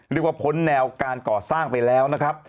เรียกว่าพ้นแนวการก่อสร้างไปแล้วนะครับ